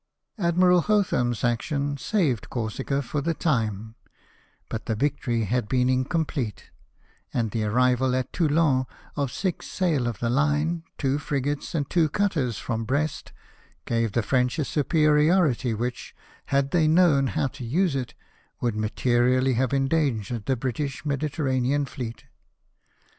Admiral Hotham's action saved Corsica for the time ; but the victory had been incomplete, and the arrival at Toulon of six sail of the line, two frigates, and two cutters, from Brest, gave the French a superiority which, had they known how to use it, would materially have endangered the British Mediterranean fleet.